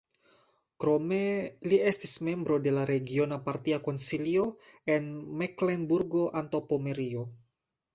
Krome li estis membro de la regiona partia konsilio en Meklenburgo-Antaŭpomerio.